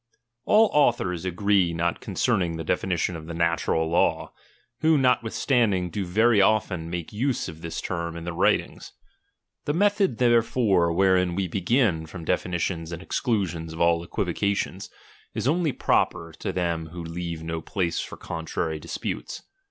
All authors agree not concerning the definition of the natural law, who notwithstanding do very 1 often nuike use of this term in their writing. The 7h" '.li.'. method therefore wherein we begin from definitions ■ and exclusion of all equivocation, is only proper LIBERTY. 15 "tto them who leave no place for contrary disputes.